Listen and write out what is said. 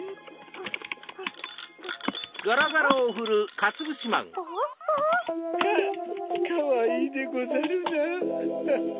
かわいいでござるなぁ。